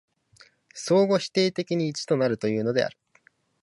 相互否定的に一となるというのである。